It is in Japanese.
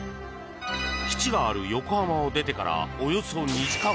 基地がある横浜を出てからおよそ２時間。